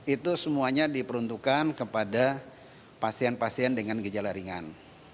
itu semuanya diperuntukkan kepada pasien pasien dengan gejala ringan